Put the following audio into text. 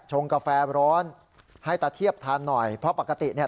กาแฟร้อนให้ตะเทียบทานหน่อยเพราะปกติเนี่ย